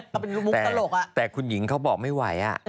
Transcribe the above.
เขาเป็นลูกตลกอ่ะแต่คุณหญิงเขาบอกไม่ไหวอ่ะ